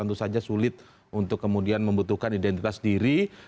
tentu saja sulit untuk kemudian membutuhkan identitas diri